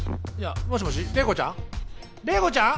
もしもし麗子ちゃん？